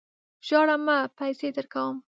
ژاړه مه ! پیسې درکوم.